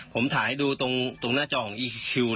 ผมถ่ายให้ดูตรงหน้าจอของอีคิว